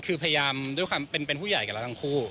คือพยายามด้วยความเป็นผู้ใหญ่กับเราทั้งคู่